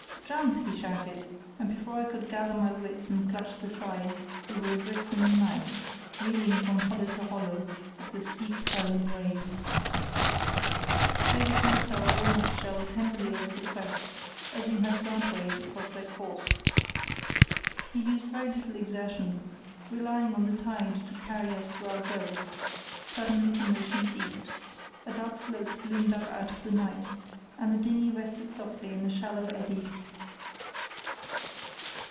"Jump!" he shouted, and before I could gather my wits and clutch the sides we were adrift in the night, reeling from hollow to hollow of the steep curling waves. Davies nursed our walnut shell tenderly over their crests, edging her slantwise across their course. He used very little exertion, relying on the tide to carry us to our goal. Suddenly the motion ceased. A dark slope loomed up out of the night, and the dinghy rested softly in a shallow eddy.